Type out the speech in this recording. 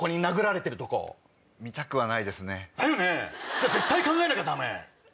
じゃあ絶対考えなきゃダメ！